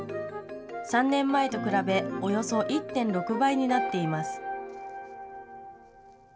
３年前と比べおよそ１．６倍になっています。